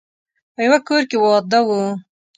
په يوه کور کې واده و.